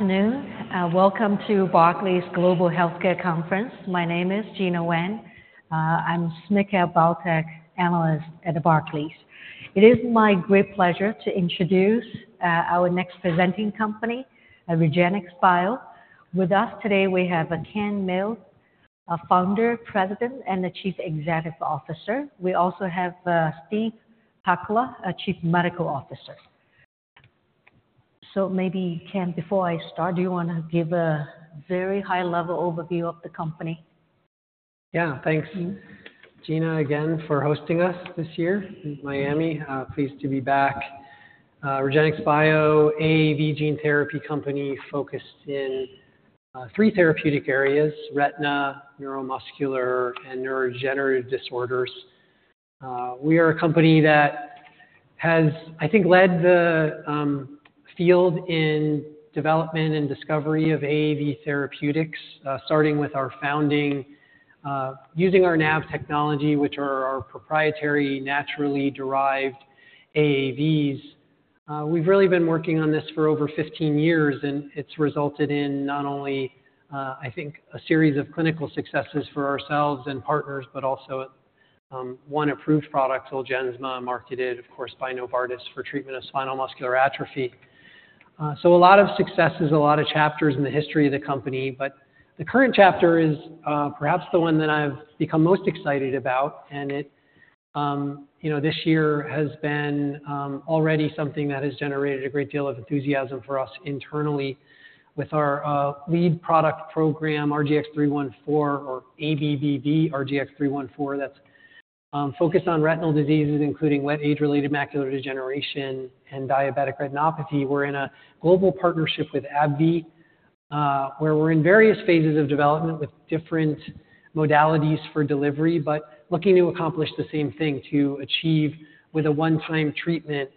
Afternoon. Welcome to Barclays Global Healthcare Conference. My name is Gena Wang. I'm a SMID Cap Biotech analyst at Barclays. It is my great pleasure to introduce our next presenting company, REGENXBIO. With us today we have Ken Mills, founder, president, and the Chief Executive Officer. We also have Steve Pakola, Chief Medical Officer. So maybe, Ken, before I start, do you wanna give a very high-level overview of the company? Yeah, thanks. Mm-hmm. Gena, again, for hosting us this year in Miami. Pleased to be back. REGENXBIO, AAV gene therapy company focused in three therapeutic areas: retina, neuromuscular, and neurodegenerative disorders. We are a company that has, I think, led the field in development and discovery of AAV therapeutics, starting with our founding, using our NAV technology, which are our proprietary, naturally derived AAVs. We've really been working on this for over 15 years, and it's resulted in not only, I think, a series of clinical successes for ourselves and partners, but also one approved product, Zolgensma, marketed, of course, by Novartis for treatment of spinal muscular atrophy. So a lot of successes, a lot of chapters in the history of the company. But the current chapter is, perhaps the one that I've become most excited about. And it, you know, this year has already been something that has generated a great deal of enthusiasm for us internally with our lead product program, RGX-314, or ABBV-RGX-314. That's focused on retinal diseases including wet age-related macular degeneration and diabetic retinopathy. We're in a global partnership with AbbVie, where we're in various phases of development with different modalities for delivery, but looking to accomplish the same thing: to achieve with a one-time treatment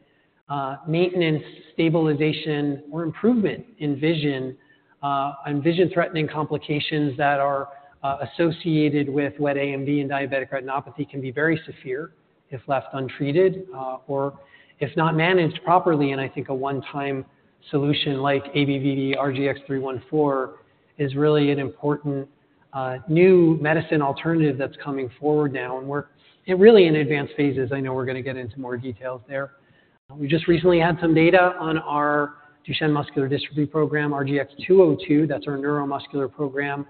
maintenance, stabilization, or improvement in vision on vision-threatening complications that are associated with wet AMD and diabetic retinopathy can be very severe if left untreated, or if not managed properly. And I think a one-time solution like ABBV-RGX-314 is really an important new medicine alternative that's coming forward now. And we're in really advanced phases. I know we're gonna get into more details there. We just recently had some data on our Duchenne muscular dystrophy program, RGX-202. That's our neuromuscular program,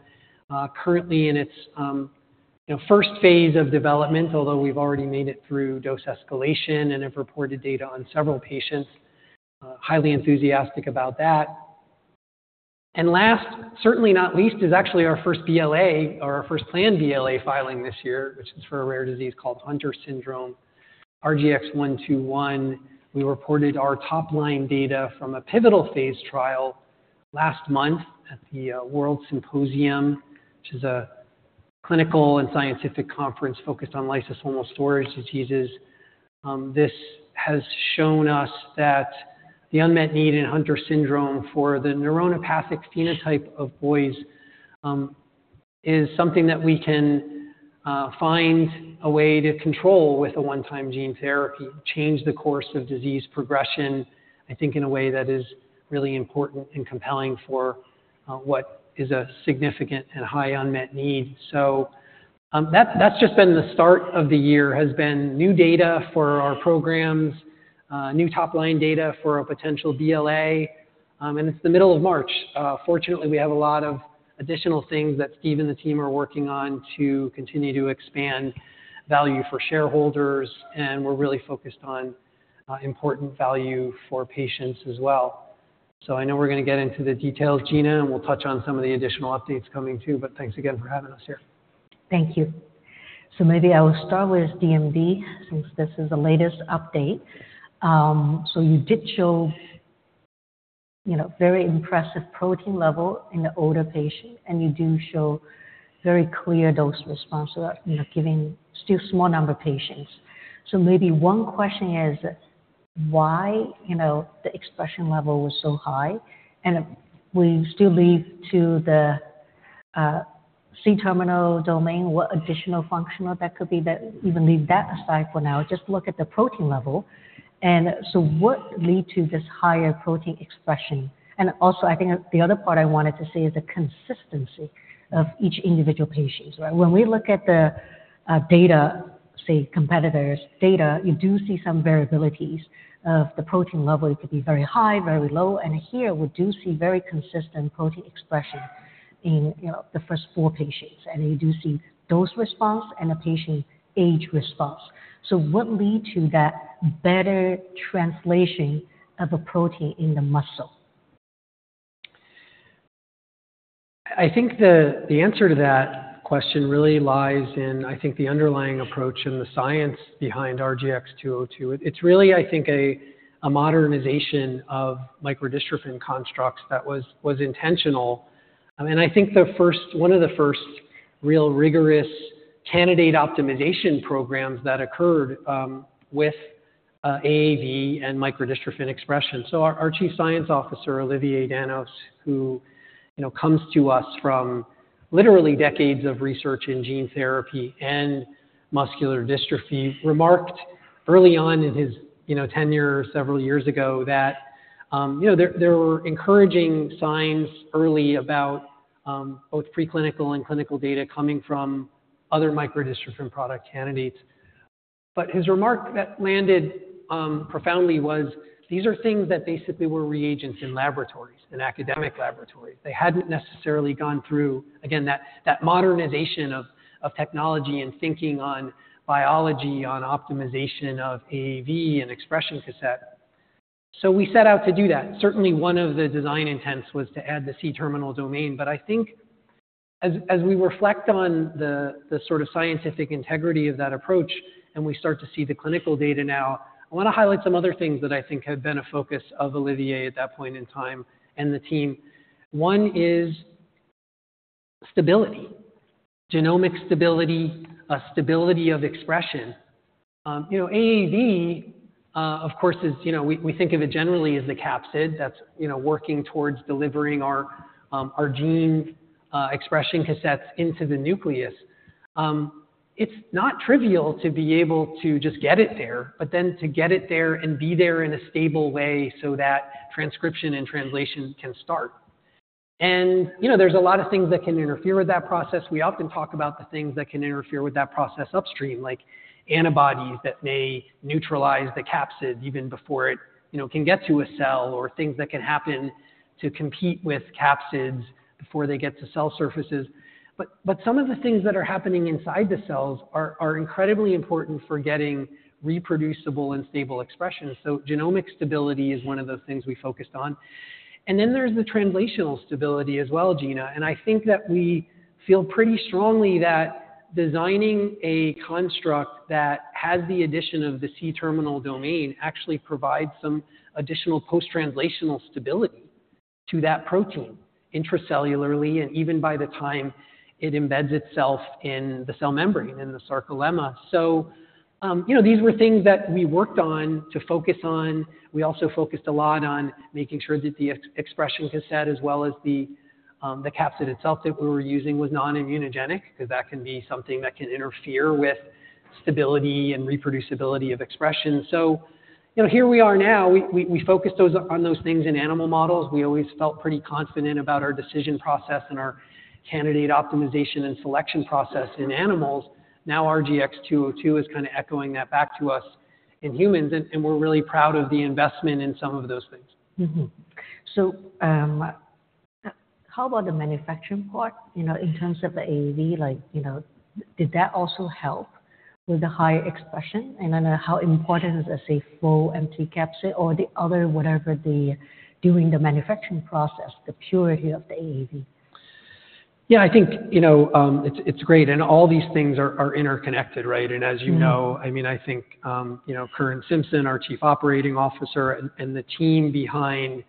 currently in its, you know, first phase of development, although we've already made it through dose escalation and have reported data on several patients. Highly enthusiastic about that. And last, certainly not least, is actually our first BLA, or our first planned BLA filing this year, which is for a rare disease called Hunter syndrome, RGX-121. We reported our top-line data from a pivotal phase trial last month at the World Symposium, which is a clinical and scientific conference focused on lysosomal storage diseases. This has shown us that the unmet need in Hunter syndrome for the neuronopathic phenotype of boys is something that we can find a way to control with a one-time gene therapy, change the course of disease progression, I think, in a way that is really important and compelling for what is a significant and high unmet need. So, that's just been the start of the year. Has been new data for our programs, new top-line data for a potential BLA. And it's the middle of March. Fortunately, we have a lot of additional things that Steve and the team are working on to continue to expand value for shareholders. And we're really focused on important value for patients as well. So I know we're gonna get into the details, Gena, and we'll touch on some of the additional updates coming too. But thanks again for having us here. Thank you. So maybe I will start with DMD since this is the latest update. So you did show, you know, very impressive protein level in the older patient. And you do show very clear dose response without, you know, giving still small number of patients. So maybe one question is why, you know, the expression level was so high? And we still leave to the, C-terminal domain what additional functional that could be that even leave that aside for now. Just look at the protein level. And so what lead to this higher protein expression? And also, I think the other part I wanted to say is the consistency of each individual patient, right? When we look at the, data, say, competitors' data, you do see some variabilities of the protein level. It could be very high, very low. Here, we do see very consistent protein expression in, you know, the first four patients. You do see dose response and a patient age response. So what led to that better translation of a protein in the muscle? I think the answer to that question really lies in, I think, the underlying approach and the science behind RGX-202. It's really, I think, a modernization of microdystrophin constructs that was intentional. I think the first one of the first real rigorous candidate optimization programs that occurred with AAV and microdystrophin expression. \ So our Chief Scientific Officer, Olivier Danos, who, you know, comes to us from literally decades of research in gene therapy and muscular dystrophy, remarked early on in his, you know, tenure several years ago that, you know, there were encouraging signs early about both preclinical and clinical data coming from other microdystrophin product candidates. But his remark that landed profoundly was these are things that basically were reagents in laboratories, in academic laboratories. They hadn't necessarily gone through, again, that modernization of technology and thinking on biology, on optimization of AAV and expression cassette. So we set out to do that. Certainly, one of the design intents was to add the C-terminal domain. But I think as we reflect on the sort of scientific integrity of that approach and we start to see the clinical data now, I wanna highlight some other things that I think have been a focus of Olivier at that point in time and the team. One is stability, genomic stability, stability of expression. You know, AAV, of course, is, you know, we think of it generally as the capsid that's, you know, working towards delivering our gene expression cassettes into the nucleus. It's not trivial to be able to just get it there, but then to get it there and be there in a stable way so that transcription and translation can start. And, you know, there's a lot of things that can interfere with that process. We often talk about the things that can interfere with that process upstream, like antibodies that may neutralize the capsid even before it, you know, can get to a cell or things that can happen to compete with capsids before they get to cell surfaces. But, but some of the things that are happening inside the cells are, are incredibly important for getting reproducible and stable expression. So genomic stability is one of those things we focused on. And then there's the translational stability as well, Gena. I think that we feel pretty strongly that designing a construct that has the addition of the C-terminal domain actually provides some additional post-translational stability to that protein intracellularly and even by the time it embeds itself in the cell membrane, in the sarcolemma. So, you know, these were things that we worked on to focus on. We also focused a lot on making sure that the expression cassette as well as the capsid itself that we were using was non-immunogenic 'cause that can be something that can interfere with stability and reproducibility of expression. So, you know, here we are now. We focused those on those things in animal models. We always felt pretty confident about our decision process and our candidate optimization and selection process in animals. Now, RGX-202 is kinda echoing that back to us in humans. And we're really proud of the investment in some of those things. Mm-hmm. So, how about the manufacturing part? You know, in terms of the AAV, like, you know, did that also help with the higher expression? And I know how important is a, say, full empty capsid or the other whatever the doing the manufacturing process, the purity of the AAV? Yeah, I think, you know, it's great. And all these things are interconnected, right? And as you know. Mm-hmm. I mean, I think, you know, Curran Simpson, our Chief Operating Officer, and, and the team behind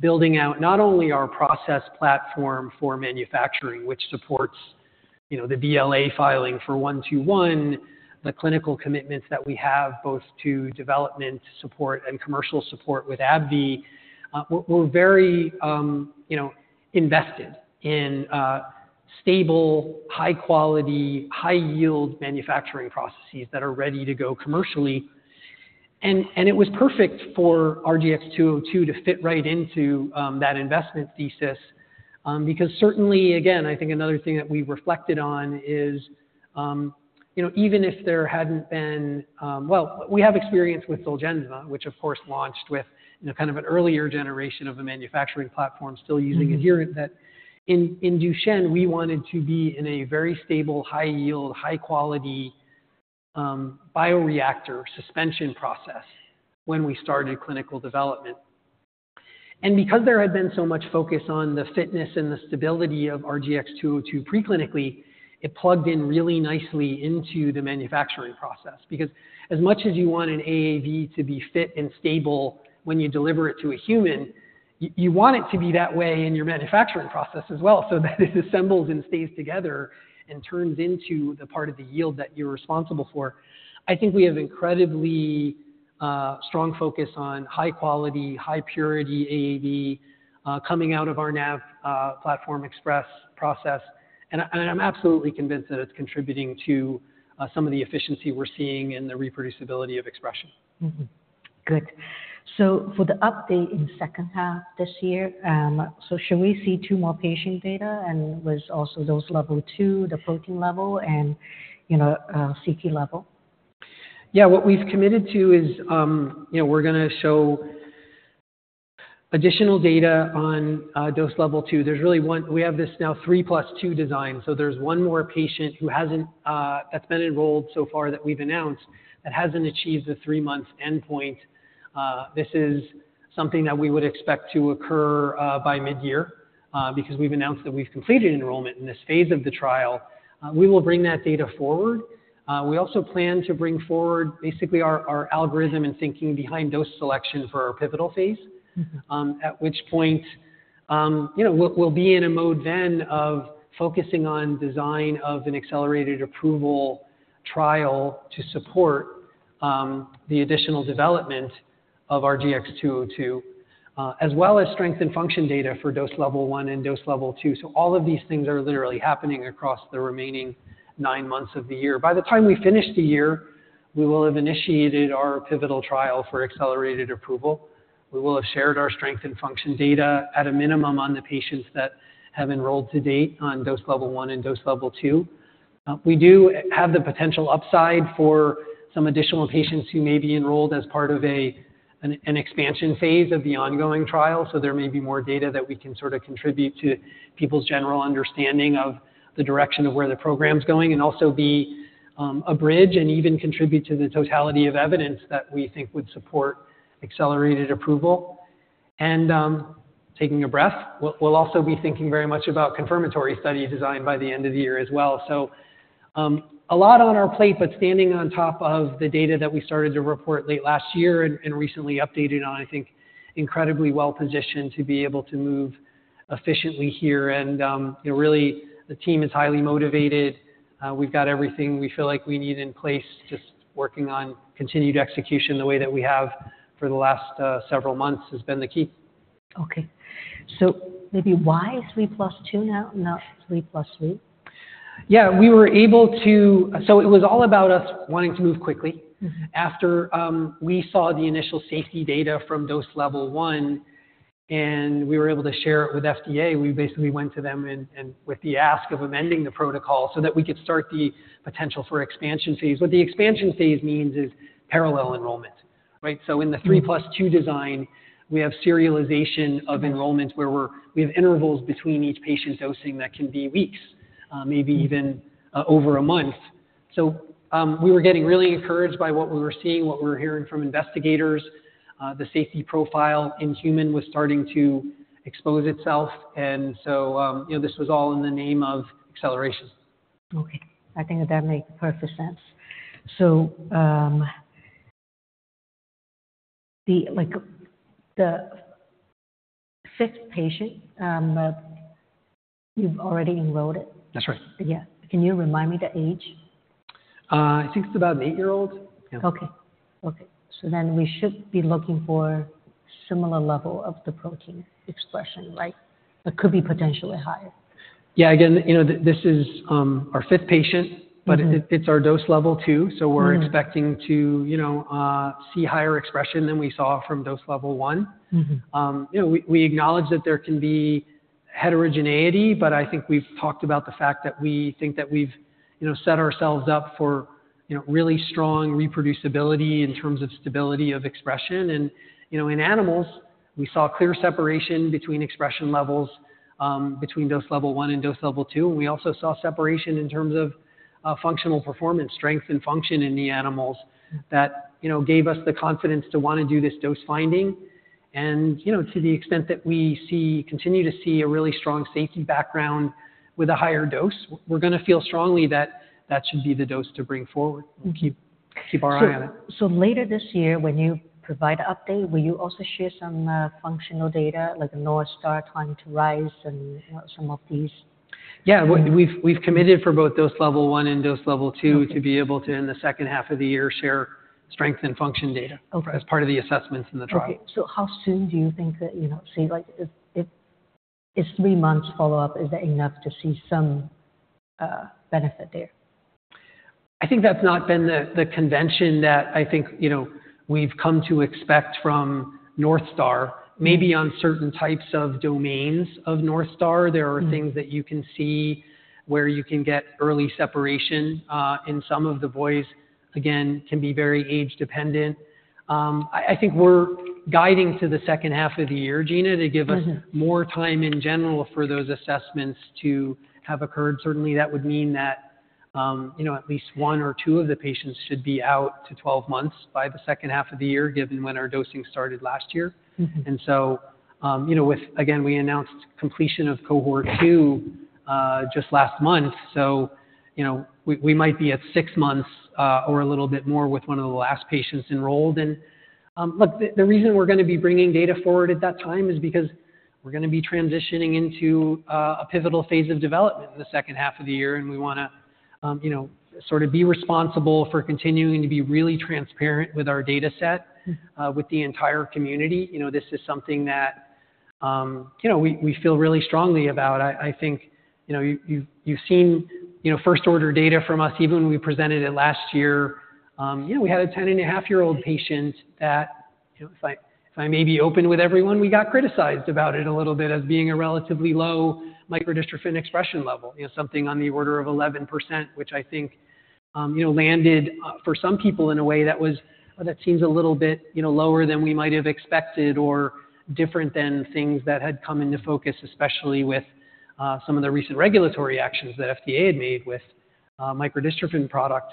building out not only our process platform for manufacturing, which supports, you know, the BLA filing for 121, the clinical commitments that we have both to development support and commercial support with AbbVie, we're, we're very, you know, invested in stable, high-quality, high-yield manufacturing processes that are ready to go commercially. And, and it was perfect for RGX-202 to fit right into that investment thesis, because certainly, again, I think another thing that we reflected on is, you know, even if there hadn't been, well, we have experience with Zolgensma, which, of course, launched with, you know, kind of an earlier generation of a manufacturing platform still using adherent that in, in Duchenne, we wanted to be in a very stable, high-yield, high-quality, bioreactor suspension process when we started clinical development. Because there had been so much focus on the fitness and the stability of RGX-202 preclinically, it plugged in really nicely into the manufacturing process. Because as much as you want an AAV to be fit and stable when you deliver it to a human, you want it to be that way in your manufacturing process as well so that it assembles and stays together and turns into the part of the yield that you're responsible for. I think we have an incredibly strong focus on high quality, high purity AAV coming out of our NAV platform express process. And I'm absolutely convinced that it's contributing to some of the efficiency we're seeing in the reproducibility of expression. Mm-hmm. Good. For the update in the second half this year, should we see two more patient data? And was also dose level two, the protein level, and, you know, CK level? Yeah, what we've committed to is, you know, we're gonna show additional data on dose level 2. There's really one we have this now 3 + 2 design. So there's one more patient who hasn't, that's been enrolled so far that we've announced that hasn't achieved the 3-month endpoint. This is something that we would expect to occur by mid-year, because we've announced that we've completed enrollment in this phase of the trial. We will bring that data forward. We also plan to bring forward basically our, our algorithm and thinking behind dose selection for our pivotal phase. Mm-hmm. At which point, you know, we'll, we'll be in a mode then of focusing on design of an accelerated approval trial to support the additional development of RGX-202, as well as strength and function data for dose level one and dose level two. So all of these things are literally happening across the remaining nine months of the year. By the time we finish the year, we will have initiated our pivotal trial for accelerated approval. We will have shared our strength and function data at a minimum on the patients that have enrolled to date on dose level one and dose level two. We do have the potential upside for some additional patients who may be enrolled as part of an expansion phase of the ongoing trial. So there may be more data that we can sort of contribute to people's general understanding of the direction of where the program's going and also be a bridge and even contribute to the totality of evidence that we think would support accelerated approval. And, taking a breath, we'll, we'll also be thinking very much about confirmatory study design by the end of the year as well. So, a lot on our plate but standing on top of the data that we started to report late last year and and recently updated on, I think, incredibly well-positioned to be able to move efficiently here. And, you know, really, the team is highly motivated. We've got everything we feel like we need in place. Just working on continued execution the way that we have for the last several months has been the key. Okay. Maybe why 3 + 2 now, not 3 + 3? Yeah, we were able to. So it was all about us wanting to move quickly. Mm-hmm. After we saw the initial safety data from dose level 1, and we were able to share it with FDA. We basically went to them and with the ask of amending the protocol so that we could start the potential for expansion phase. What the expansion phase means is parallel enrollment, right? So in the 3 + 2 design, we have serialization of enrollment where we have intervals between each patient dosing that can be weeks, maybe even over a month. So, we were getting really encouraged by what we were seeing, what we were hearing from investigators. The safety profile in human was starting to expose itself. And so, you know, this was all in the name of acceleration. Okay. I think that that makes perfect sense. So, like, the fifth patient, you've already enrolled it? That's right. Yeah. Can you remind me the age? I think it's about an 8-year-old. Yeah. Okay. Okay. So then we should be looking for similar level of the protein expression, right? But could be potentially higher. Yeah, again, you know, this is our fifth patient. Mm-hmm. But it's our dose level two. So we're expecting to, you know, see higher expression than we saw from dose level one. Mm-hmm. You know, we acknowledge that there can be heterogeneity, but I think we've talked about the fact that we think that we've, you know, set ourselves up for, you know, really strong reproducibility in terms of stability of expression. And, you know, in animals, we saw clear separation between expression levels, between dose level one and dose level two. And we also saw separation in terms of functional performance, strength, and function in the animals that, you know, gave us the confidence to wanna do this dose finding. And, you know, to the extent that we continue to see a really strong safety background with a higher dose, we're gonna feel strongly that that should be the dose to bring forward. We'll keep. Mm-hmm. Keep our eye on it. So later this year when you provide an update, will you also share some functional data like a North Star time to rise and, you know, some of these? Yeah, we've committed for both dose level 1 and dose level 2 to be able to, in the second half of the year, share strength and function data. Okay. As part of the assessments in the trial. Okay. So how soon do you think that, you know, say, like, if it's three months follow-up, is that enough to see some benefit there? I think that's not been the convention that I think, you know, we've come to expect from North Star. Maybe on certain types of domains of North Star, there are things that you can see where you can get early separation, in some of the boys. Again, can be very age-dependent. I think we're guiding to the second half of the year, Gena, to give us. Mm-hmm. More time in general for those assessments to have occurred. Certainly, that would mean that, you know, at least one or two of the patients should be out to 12 months by the second half of the year given when our dosing started last year. Mm-hmm. And so, you know, with again, we announced completion of cohort two, just last month. So, you know, we might be at six months, or a little bit more with one of the last patients enrolled. And, look, the reason we're gonna be bringing data forward at that time is because we're gonna be transitioning into a pivotal phase of development in the second half of the year. And we wanna, you know, sort of be responsible for continuing to be really transparent with our dataset. Mm-hmm. with the entire community. You know, this is something that, you know, we, we feel really strongly about. I, I think, you know, you-you've, you've seen, you know, first-order data from us even when we presented it last year. You know, we had a 10.5-year-old patient that, you know, if I, if I may be open with everyone, we got criticized about it a little bit as being a relatively low microdystrophin expression level, you know, something on the order of 11%, which I think, you know, landed, for some people in a way that was, that seems a little bit, you know, lower than we might have expected or different than things that had come into focus, especially with, some of the recent regulatory actions that FDA had made with, microdystrophin product.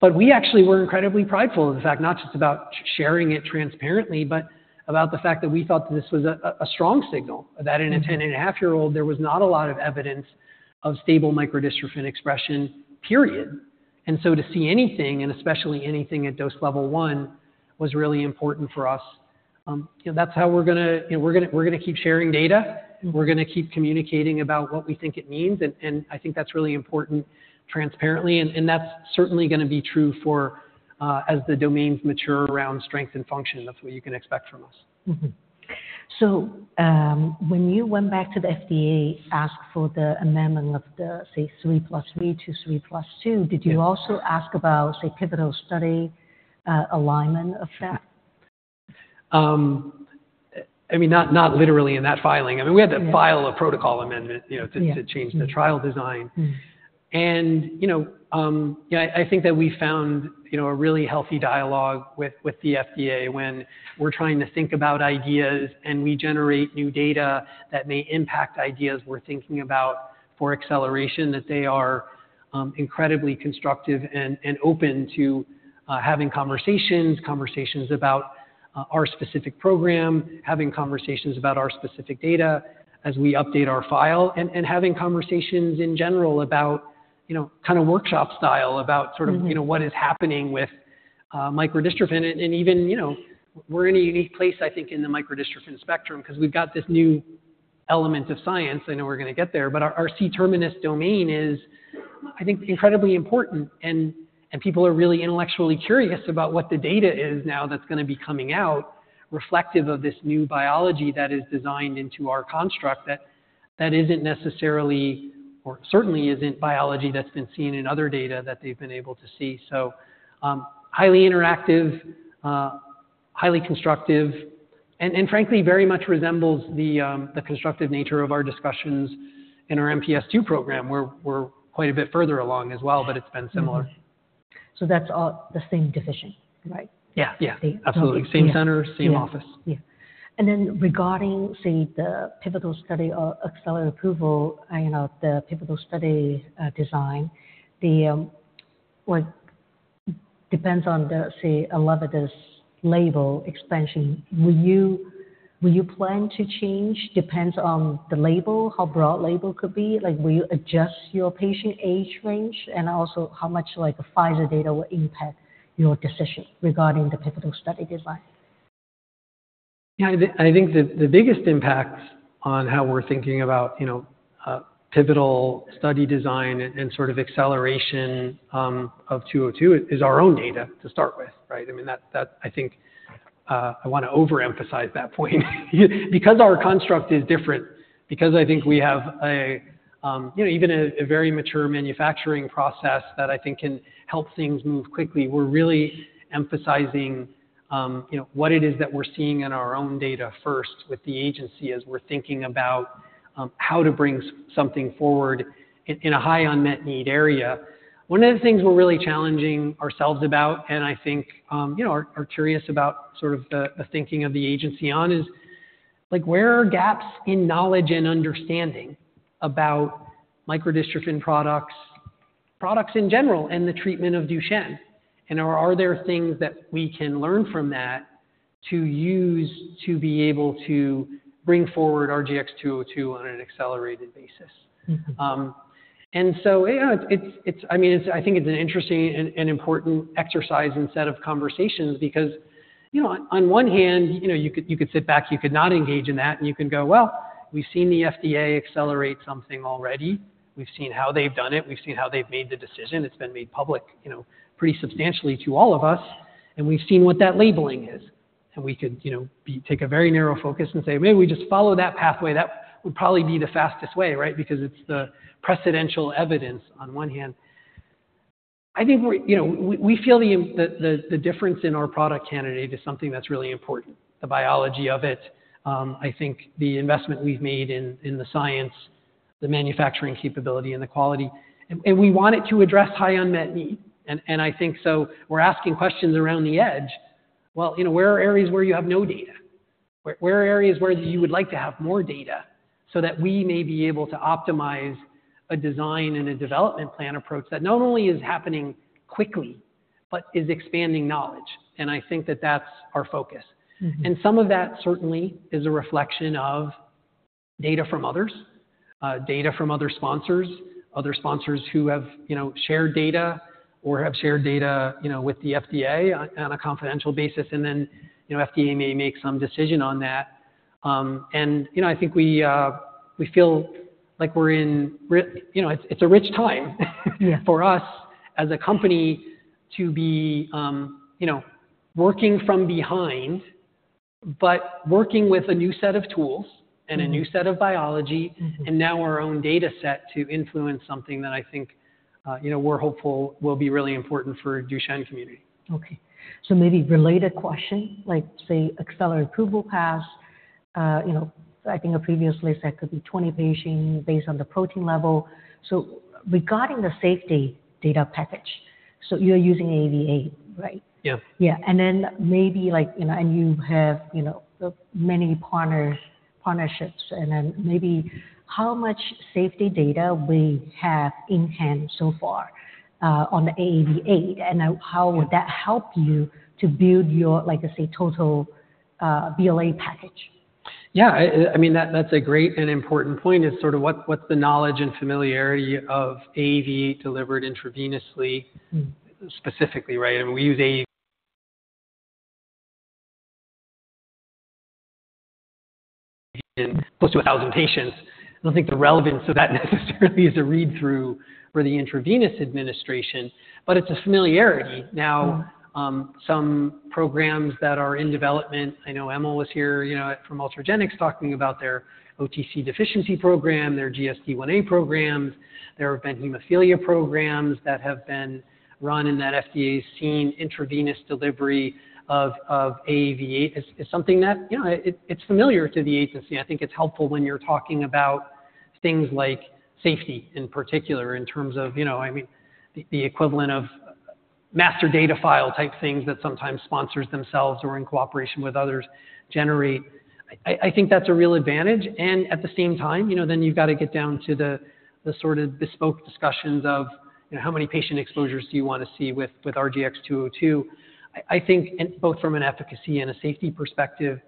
But we actually were incredibly prideful of the fact, not just about sharing it transparently but about the fact that we thought that this was a strong signal, that in a 10.5-year-old, there was not a lot of evidence of stable microdystrophin expression, period. And so to see anything, and especially anything at dose level 1, was really important for us. You know, that's how we're gonna, you know, we're gonna, we're gonna keep sharing data. Mm-hmm. We're gonna keep communicating about what we think it means. And I think that's really important transparently. And that's certainly gonna be true for, as the domains mature around strength and function. That's what you can expect from us. Mm-hmm. So, when you went back to the FDA ask for the amendment of the, say, 3 + 3 to 3 + 2, did you also? Mm-hmm. Ask about, say, pivotal study, alignment of that? I mean, not literally in that filing. I mean, we had to. Mm-hmm. File a protocol amendment, you know, to. Mm-hmm. Change the trial design. Mm-hmm. You know, yeah, I think that we found, you know, a really healthy dialogue with the FDA when we're trying to think about ideas and we generate new data that may impact ideas we're thinking about for acceleration that they are incredibly constructive and open to having conversations about our specific program, having conversations about our specific data as we update our file, and having conversations in general about, you know, kinda workshop style about sort of. Mm-hmm. You know, what is happening with microdystrophin. And, and even, you know, we're in a unique place, I think, in the microdystrophin spectrum 'cause we've got this new element of science. I know we're gonna get there. But our, our C-terminal domain is, I think, incredibly important. And, and people are really intellectually curious about what the data is now that's gonna be coming out reflective of this new biology that is designed into our construct that, that isn't necessarily or certainly isn't biology that's been seen in other data that they've been able to see. So, highly interactive, highly constructive, and, and frankly, very much resembles the, the constructive nature of our discussions in our MPS II program. We're, we're quite a bit further along as well, but it's been similar. Mm-hmm. So that's all the same division, right? Yeah. Yeah. The, the. Absolutely. Same center, same office. Yeah. Yeah. And then regarding, say, the pivotal study or accelerated approval, you know, the pivotal study design, the, well, depends on the, say, Elevidys label expansion. Will you will you plan to change? Depends on the label, how broad label could be. Like, will you adjust your patient age range and also how much, like, Pfizer data will impact your decision regarding the pivotal study design? Yeah, I think the biggest impacts on how we're thinking about, you know, pivotal study design and sort of acceleration of 202 is our own data to start with, right? I mean, that I think I wanna overemphasize that point. You because our construct is different, because I think we have a, you know, even a very mature manufacturing process that I think can help things move quickly, we're really emphasizing, you know, what it is that we're seeing in our own data first with the agency as we're thinking about how to bring something forward in a high unmet need area. One of the things we're really challenging ourselves about, and I think, you know, are curious about sort of the thinking of the agency on, like, where are gaps in knowledge and understanding about microdystrophin products in general, and the treatment of Duchenne? And are there things that we can learn from that to use to be able to bring forward RGX-202 on an accelerated basis? Mm-hmm. And so, you know, it's I mean, it's I think it's an interesting and important exercise and set of conversations because, you know, on one hand, you know, you could sit back. You could not engage in that. And you can go, "Well, we've seen the FDA accelerate something already. We've seen how they've done it. We've seen how they've made the decision. It's been made public, you know, pretty substantially to all of us. And we've seen what that labeling is." And we could, you know, take a very narrow focus and say, "Maybe we just follow that pathway. That would probably be the fastest way," right? Because it's the precedential evidence on one hand. I think we're, you know, we feel the difference in our product candidate is something that's really important, the biology of it, I think, the investment we've made in the science, the manufacturing capability, and the quality. And we want it to address high unmet need. And I think so we're asking questions around the edge. Well, you know, where are areas where you have no data? Where are areas where you would like to have more data so that we may be able to optimize a design and a development plan approach that not only is happening quickly but is expanding knowledge? And I think that's our focus. Mm-hmm. Some of that certainly is a reflection of data from others, data from other sponsors, other sponsors who have, you know, shared data or have shared data, you know, with the FDA on a confidential basis. And then, you know, FDA may make some decision on that. And, you know, I think we feel like we're in right you know, it's a rich time. Yeah. For us as a company to be, you know, working from behind but working with a new set of tools and a new set of biology. Mm-hmm. And now our own dataset to influence something that I think, you know, we're hopeful will be really important for Duchenne community. Okay. So maybe related question, like, say, accelerated approval path, you know, I think a previous list that could be 20 patients based on the protein level. So regarding the safety data package, so you're using AAV8, right? Yeah. Yeah. And then maybe, like, you know, and you have, you know, the many partners, partnerships. And then maybe how much safety data we have in hand so far on the AAV8? And then how would that help you to build your, like, say, total BLA package? Yeah. I mean, that's a great and important point is sort of what's the knowledge and familiarity of AAV8 delivered intravenously. Mm-hmm. Specifically, right? I mean, we use AAV8 in close to 1,000 patients. I don't think the relevance of that necessarily is a read-through for the intravenous administration, but it's a familiarity. Now. Mm-hmm. Some programs that are in development. I know Emil was here, you know, from Ultragenyx talking about their OTC deficiency program, their GSD1a programs. There have been hemophilia programs that have been run in that FDA's seen intravenous delivery of AAV8 is something that, you know, it's familiar to the agency. I think it's helpful when you're talking about things like safety in particular in terms of, you know, I mean, the equivalent of master data file type things that sometimes sponsors themselves or in cooperation with others generate. I think that's a real advantage. And at the same time, you know, then you've gotta get down to the sort of bespoke discussions of, you know, how many patient exposures do you wanna see with RGX-202. I think, and both from an efficacy and a safety perspective,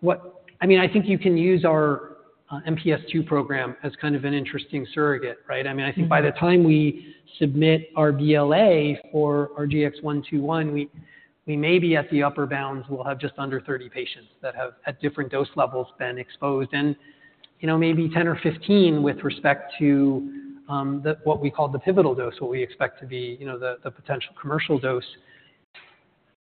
what I mean, I think you can use our MPS II program as kind of an interesting surrogate, right? I mean, I think. Mm-hmm. By the time we submit our BLA for RGX-121, we may be at the upper bounds. We'll have just under 30 patients that have at different dose levels been exposed and, you know, maybe 10 or 15 with respect to the what we call the pivotal dose, what we expect to be, you know, the potential commercial dose.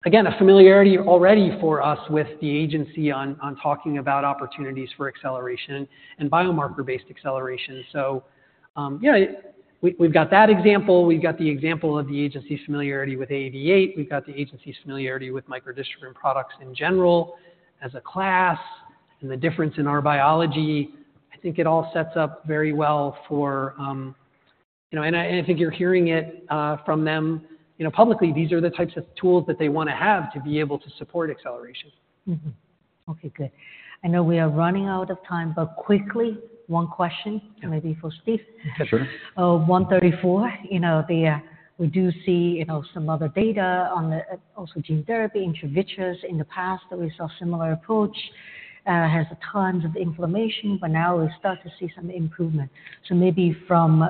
Again, a familiarity already for us with the agency on talking about opportunities for acceleration and biomarker-based acceleration. So, yeah, we've got that example. We've got the example of the agency's familiarity with AAV8. We've got the agency's familiarity with microdystrophin products in general as a class and the difference in our biology. I think it all sets up very well for, you know and I think you're hearing it from them. You know, publicly, these are the types of tools that they wanna have to be able to support acceleration. Mm-hmm. Okay. Good. I know we are running out of time, but quickly, one question. Yeah. Maybe for Steve. Yeah. Sure. You know, we do see, you know, some other data on the also gene therapy, intravitreal in the past that we saw similar approach has tons of inflammation, but now we start to see some improvement. So maybe from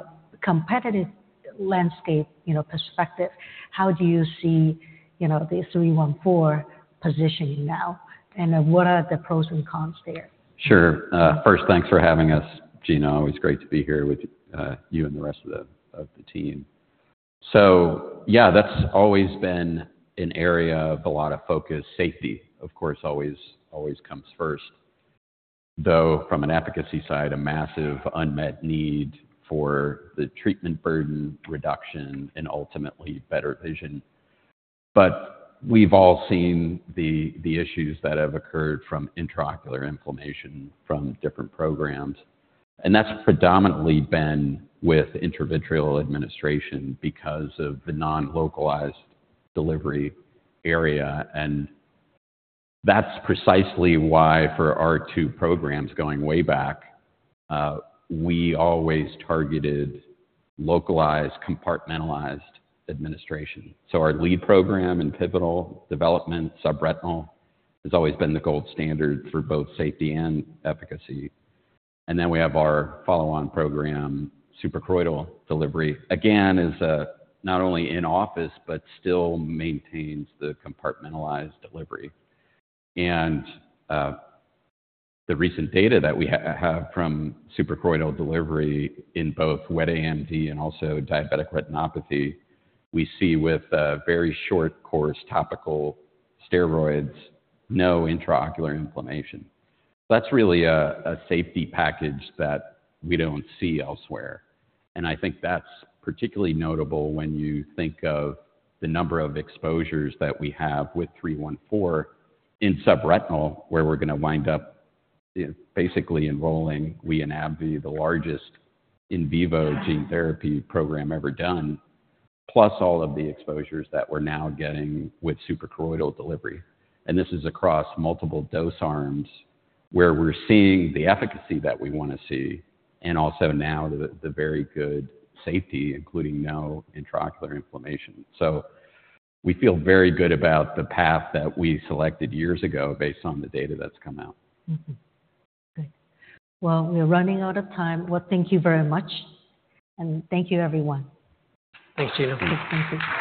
competitive landscape, you know, perspective, how do you see, you know, the 314 positioning now? And then what are the pros and cons there? Sure. First, thanks for having us, Gena. Always great to be here with you and the rest of the team. So yeah, that's always been an area of a lot of focus. Safety, of course, always, always comes first, though from an efficacy side, a massive unmet need for the treatment burden reduction and ultimately better vision. But we've all seen the issues that have occurred from intraocular inflammation from different programs. And that's predominantly been with intravitreal administration because of the non-localized delivery area. And that's precisely why for our two programs going way back, we always targeted localized, compartmentalized administration. So our lead program in pivotal development, subretinal, has always been the gold standard for both safety and efficacy. And then we have our follow-on program, suprachoroidal delivery, again, not only in office but still maintains the compartmentalized delivery. The recent data that we have from suprachoroidal delivery in both wet AMD and also diabetic retinopathy, we see with very short course, topical steroids, no intraocular inflammation. That's really a safety package that we don't see elsewhere. And I think that's particularly notable when you think of the number of exposures that we have with 314 in subretinal where we're gonna wind up, you know, basically enrolling in AbbVie, the largest in vivo gene therapy program ever done, plus all of the exposures that we're now getting with suprachoroidal delivery. And this is across multiple dose arms where we're seeing the efficacy that we wanna see and also now the very good safety, including no intraocular inflammation. So we feel very good about the path that we selected years ago based on the data that's come out. Mm-hmm. Good. Well, we are running out of time. Well, thank you very much. And thank you, everyone. Thanks, Gina. Thank you.